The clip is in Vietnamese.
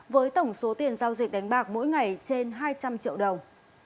với tổng số tiền giao dịch đánh bạc mỗi ngày trên hai trăm linh triệu đồng